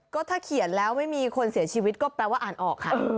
ก็ถ้าเขียนแล้วไม่มีคนเสียชีวิตก็แปลว่าอ่านออกค่ะ